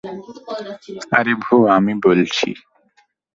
আরিভু, আমি বলছি।